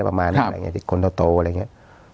ประมาณแบบนี้คนที่เต่าอะไรอย่างนี้